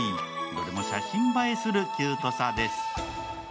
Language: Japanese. どれも写真映えするキュートさです。